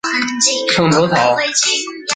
秤砣草